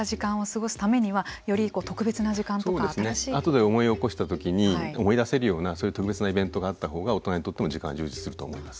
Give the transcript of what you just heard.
後で思い起こした時に思い出せるようなそういう特別なイベントがあった方が大人にとっても時間が充実すると思います。